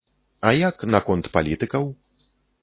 А як наконт палітыкаў?